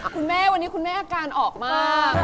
คุณแม่วันนี้คุณแม่อาการออกมาก